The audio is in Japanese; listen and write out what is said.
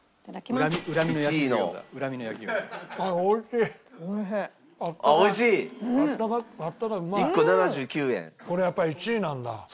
これやっぱり１位なんだ。